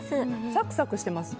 サクサクしています。